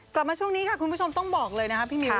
กลับมาช่วงนี้ค่ะคุณผู้ชมต้องบอกเลยนะคะพี่มิว